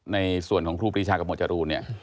ในส่วนของครูปีชากับมัจจารุเนี่ย